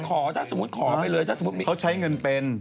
ขอถ้าสมมุติขอไปเลย